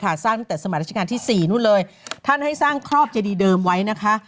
สร้างตั้งแต่สมัยราชการที่สี่นู่นเลยท่านให้สร้างครอบเจดีเดิมไว้นะคะ